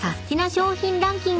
商品ランキング］